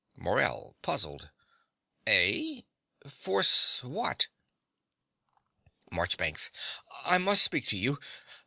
MORELL (puzzled). Eh? Force what? MARCHBANKS. I must speak to you.